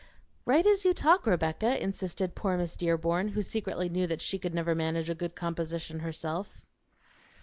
"Write as you talk, Rebecca," insisted poor Miss Dearborn, who secretly knew that she could never manage a good composition herself.